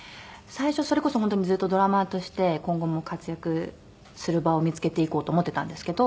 最初それこそ本当にずっとドラマーとして今後も活躍する場を見付けていこうと思ってたんですけど。